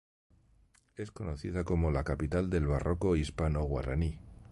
Es conocida como la "Capital del Barroco Hispano-Guaraní".